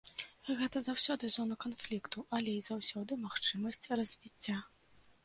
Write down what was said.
Гэта заўсёды зона канфлікту, але і заўсёды магчымасць развіцця.